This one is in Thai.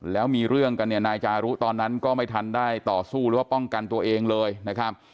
แล้วมีเรื่องกันเนี่ยนายจารุตอนนั้นก็ไม่ทันได้ต่อสู้หรือว่าป้องกันตัวเองเลยนะครับ